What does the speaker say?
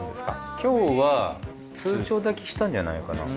今日は通常炊きしたんじゃないかな。